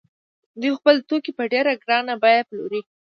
دوی خپل توکي په ډېره ګرانه بیه پلوري